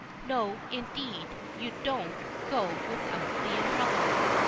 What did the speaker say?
No, indeed, you don't go without the umbrella.